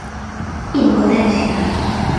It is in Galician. ¡Impotencia!